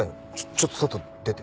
ちょっと外出て。